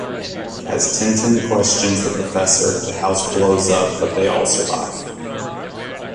As Tintin questions the professor, the house blows up, but they all survive.